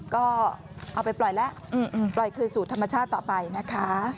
ก็เอาไปปล่อยแล้วปล่อยคืนสู่ธรรมชาติต่อไปนะคะ